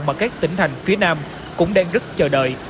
mà các tỉnh thành phía nam cũng đang rất chờ đợi